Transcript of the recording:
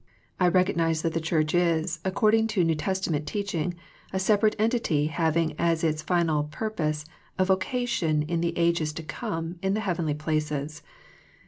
I recognize that the Church is, according to l^ew Testament teaching, a separate entity having as its final purpose a vocation in the ages to come in the heavenly places.